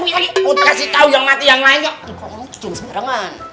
mau dikasih tau yang mati yang lainnya